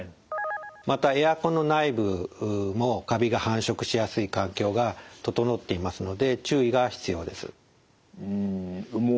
またエアコンの内部もカビが繁殖しやすい環境が整っていますので注意が必要です。